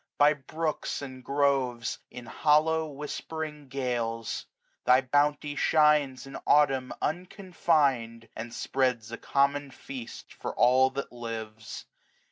By brooks and groves, in hollow whispering gales. Thy bounty shines in Autumn unconfinM, And spreads a common feast for all that lives.